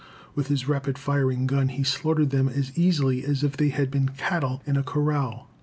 With his rapid firing gun he slaughtered them as easily as if they had been cattle in a corral.